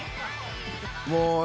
もう。